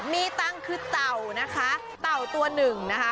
มีตังค์คือเต่านะคะเต่าตัวหนึ่งนะคะ